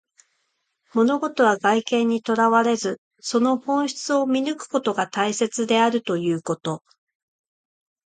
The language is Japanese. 物事は外見にとらわれず、その本質を見抜くことが大切であるということ。